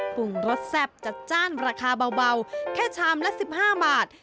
ปรุงรสแซ่บจัดจ้านราคาเบาแค่ชามละ๑๕บาท